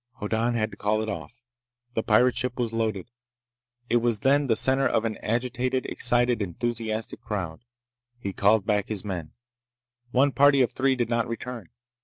Hoddan had to call it off. The pirate ship was loaded. It was then the center of an agitated, excited, enthusiastic crowd. He called back his men. One party of three did not return.